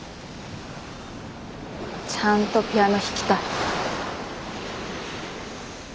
ちゃんとピアノ弾きたい。